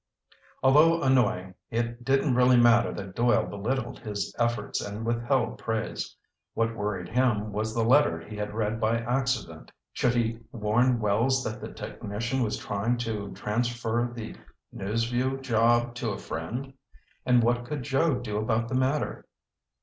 Although annoying, it didn't really matter that Doyle belittled his efforts and withheld praise. What worried him was the letter he had read by accident. Should he warn Wells that the technician was trying to transfer the News Vue job to a friend? And what could Joe do about the matter?